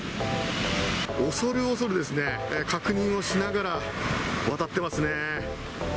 おそるおそるですね、確認をしながら渡ってますね。